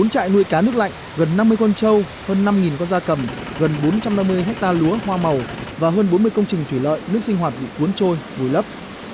bốn trại nuôi cá nước lạnh gần năm mươi con trâu hơn năm con da cầm gần bốn trăm năm mươi hectare lúa hoa màu và hơn bốn mươi công trình thủy lợi nước sinh hoạt bị cuốn trôi vùi lấp